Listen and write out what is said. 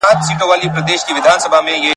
موږ د پدیدو علتونه لټوو.